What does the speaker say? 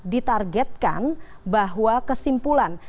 ditargetkan bahwa kesimpulan